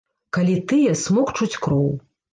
Калі тыя смокчуць кроў.